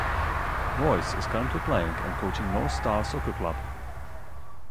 Royce is currently playing and coaching North Star Soccer Club.